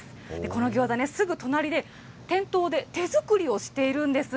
このギョーザ、すぐ隣で、店頭で手作りをしているんです。